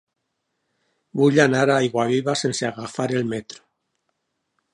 Vull anar a Aiguaviva sense agafar el metro.